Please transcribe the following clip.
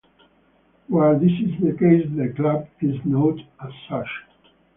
Where this is the case the club is noted as such.